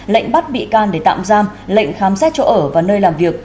lệnh bắt bị can để tạm giam lệnh khám xét chỗ ở và nơi làm việc